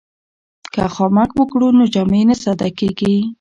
که خامک وکړو نو جامې نه ساده کیږي.